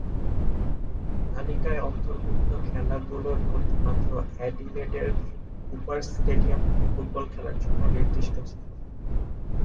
তালিকায় অন্তর্ভুক্ত খেলাগুলোর মধ্যে মাত্র অ্যাডিলেডের কুপারস স্টেডিয়ামটি ফুটবল খেলার জন্য নির্দিষ্ট স্থান।